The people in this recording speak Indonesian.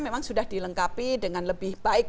memang sudah dilengkapi dengan lebih baik